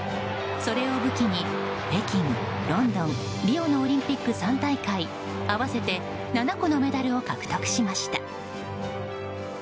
それを武器に、北京、ロンドンリオのオリンピック３大会、合わせて７個のメダルを獲得しました。